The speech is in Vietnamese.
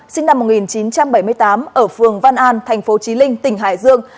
sinh năm một nghìn chín trăm bảy mươi tám ở phường văn an thành phố trí linh tỉnh hải dương